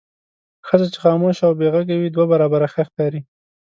ښځه چې خاموشه او بې غږه وي دوه برابره ښه ښکاري.